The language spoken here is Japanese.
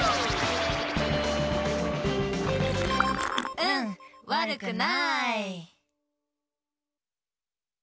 うんわるくない。